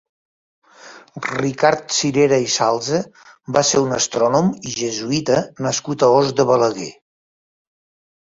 Ricard Cirera i Salse va ser un astrònom i jesuïta nascut a Os de Balaguer.